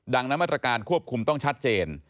ดังนั้นมาตรการควบคุมต้องชัดเจน